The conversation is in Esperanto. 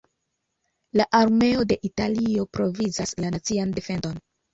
La armeo de Italio provizas la nacian defendon.